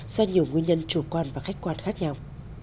do nhiều nguyên nhân chủ quan và khách quan khác nhau